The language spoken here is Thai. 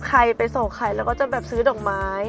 ใครไปส่งไข่แล้วก็จะแบบซื้อดอกไม้